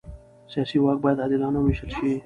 سیاسي واک باید عادلانه ووېشل شي